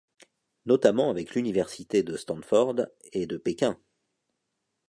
Notamment avec l'université de Stanford et de Pékin.